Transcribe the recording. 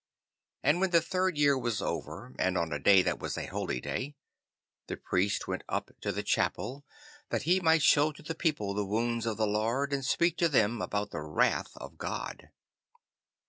And when the third year was over, and on a day that was a holy day, the Priest went up to the chapel, that he might show to the people the wounds of the Lord, and speak to them about the wrath of God.